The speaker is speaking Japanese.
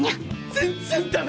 全然ダメ！